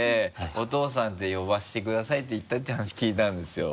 「お父さんって呼ばせてください」て言ったって話聞いたんですよ。